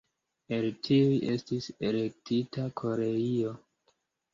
El tiuj estis elektita Koreio.